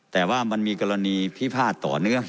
แต่ว่ามันมีกรณีพิพาทต่อเนื่อง